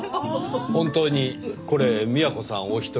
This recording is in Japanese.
本当にこれ美和子さんお一人で？